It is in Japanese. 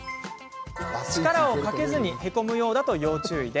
力をかけずにへこむようだと要注意。